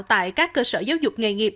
tại các cơ sở giáo dục nghề nghiệp